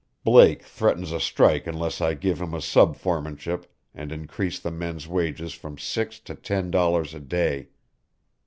Blake threatens a strike unless I give him a sub foremanship and increase the men's wages from six to ten dollars a day.